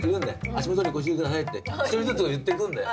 「足元にご注意下さい」って１人ずつ言ってくんだよ。